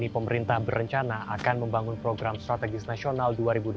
pembangunan strategis nasional dua ribu dua puluh tiga